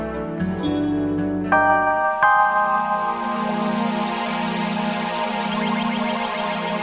sampai jumpa swallow